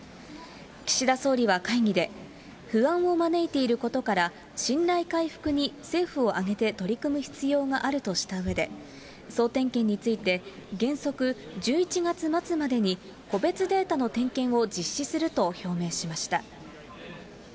岸田総理は会議で、不安を招いていることから、信頼回復に政府を挙げて取り組む必要があるとしたうえで、総点検について、原則１１月末までに個別データの点検を実施すると表明しました。